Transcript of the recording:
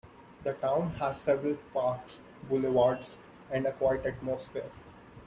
The town has several parks, boulevards and a quiet atmosphere.